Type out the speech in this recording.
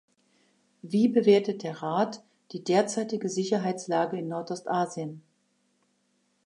Wie bewertet der Rat die derzeitige Sicherheitslage in Nordostasien?